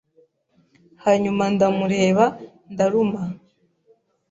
Hanyuma ndamureba ndaruma